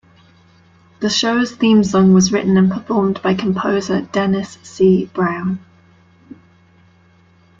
The show's theme song was written and performed by composer Dennis C. Brown.